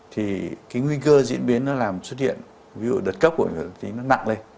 thì cái nguy cơ diễn biến nó làm xuất hiện ví dụ đợt cấp của tính nó nặng lên